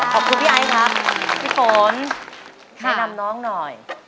ขอบคุณพี่ไอ้ครับพี่ฝนแนะนำน้องหน่อยค่ะ